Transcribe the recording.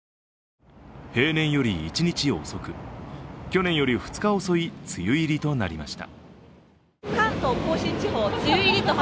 平年より１日遅く去年より２日遅い梅雨入りとなりました。